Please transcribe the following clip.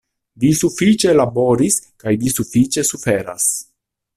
Vi sufiĉe laboris kaj Vi sufiĉe suferas!